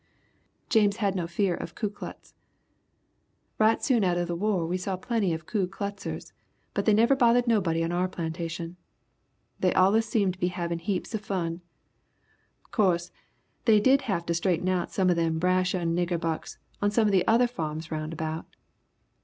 James had no fear of the Ku Klux. "Right soon atter the war we saw plenty of Ku Kluxers but they never bothered nobody on our plantation. They allus seemed to be havin' heaps of fun. 'Course, they did have to straighten out some of them brash young nigger bucks on some of the other farms round about.